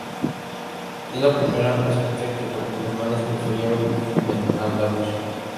Es la primera mezquita que los musulmanes construyeron en al-Andalus.